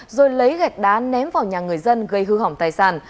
rồi lấy gạch đá ném vào nhà người dân gây hư hỏng tài sản